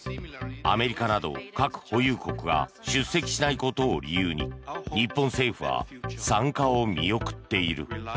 アメリカなど核保有国が出席しないことを理由に日本政府は参加を見送っている。